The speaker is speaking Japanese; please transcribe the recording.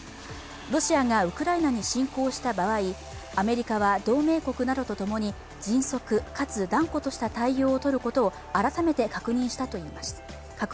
ロシアがウクライナに侵攻した場合アメリカは同盟国などとともに迅速かつ断固とした対応をとることを改めて確認したとしています。